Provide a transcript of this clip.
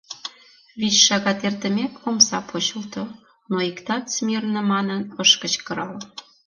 Вич шагат эртымек, омса почылто, но иктат «смирно!» манын ыш кычкырал.